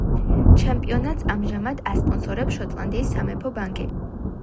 ჩემპიონატს ამჟამად ასპონსორებს შოტლანდიის სამეფო ბანკი.